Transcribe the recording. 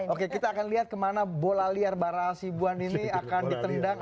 oke kita akan lihat kemana bola liar bara hasibuan ini akan ditendang